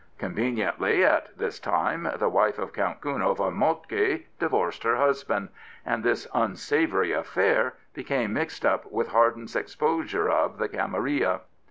Conveniently, at this time, the wife of Count Kuno von Moltke divorced her husband, and this unsavoury affair became mixed up with Harden's exposure of the camarilla.